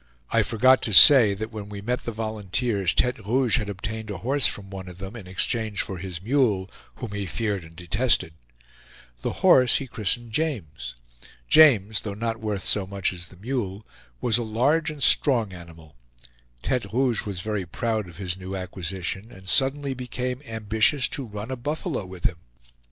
I forgot to say that when we met the volunteers Tete Rouge had obtained a horse from one of them, in exchange for his mule, whom he feared and detested. The horse he christened James. James, though not worth so much as the mule, was a large and strong animal. Tete Rouge was very proud of his new acquisition, and suddenly became ambitious to run a buffalo with him.